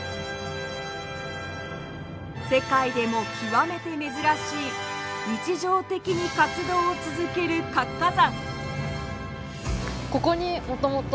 世界でも極めて珍しい日常的に活動を続ける活火山。